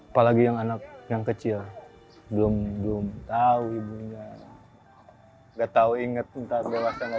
apalagi yang anak yang kecil belum belum tahu ibunya enggak tahu inget entar dewasa enggak